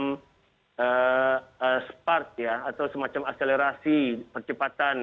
mungkin kita sudah mengambil dan membutuhkan semacam spark ya atau semacam akselerasi percepatan